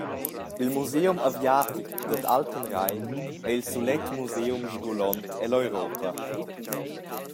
Il museum aviatic dad Altenrhein ei il sulet museum sgulont ella Europa.